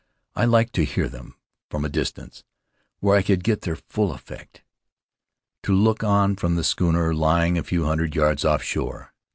I liked to hear them from a distance where I could get their full effect; to look on from the schooner lying a few hundred yards offshore.